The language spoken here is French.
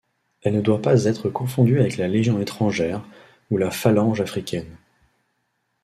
Elle ne doit pas être confondue avec la Légion étrangère ou la Phalange africaine.